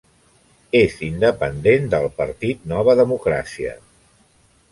És independent de el partit Nova Democràcia.